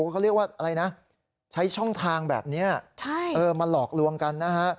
เขาเรียกว่าอะไรนะใช้ช่องทางแบบนี้มาหลอกลวงกันนะฮะ